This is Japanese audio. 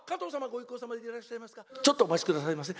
「ちょっとお待ちくださいませ。